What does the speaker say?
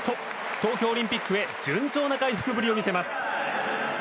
東京オリンピックへ順調な回復ぶりを見せます。